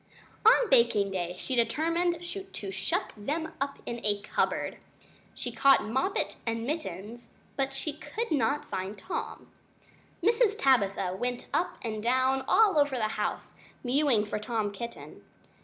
On baking day she determined to shut them up in a cupboard. She caught Moppet and Mittens, but she could not find Tom. Mrs. Tabitha went up and down all over the house, mewing for Tom Kitten.